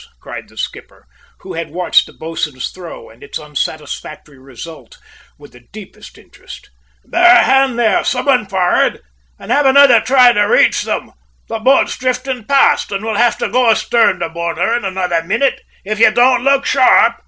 cried the skipper, who had watched the boatswain's throw and its unsatisfactory result with the deepest interest. "Bear a hand there, some one forrad, and have another try to reach them. The boat's drifting past, and we'll have to go astern to board her in another minute, if you don't look sharp!"